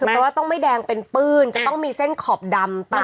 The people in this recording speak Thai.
คือแปลว่าต้องไม่แดงเป็นปืนจะต้องมีเส้นขอบดำปัดให้เห็น